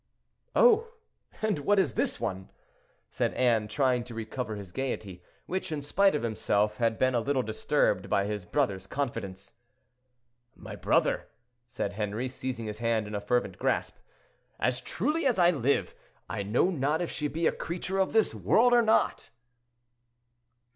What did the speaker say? "Oh! and what is this one?" said Anne, trying to recover his gayety, which, in spite of himself, had been a little disturbed by his brother's confidence. "My brother," said Henri, seizing his hand in a fervent grasp, "as truly as I live, I know not if she be a creature of this world or not."